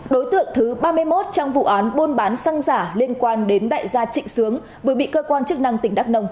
đối tượng thứ ba mươi một trong vụ án buôn bán xăng giả liên quan đến đại gia trịnh sướng vừa bị cơ quan chức năng tỉnh đắk nông